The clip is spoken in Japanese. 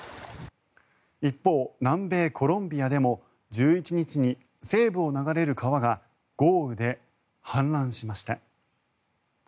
一方、南米コロンビアでも１１日に西部を流れる川が豪雨で氾濫しました。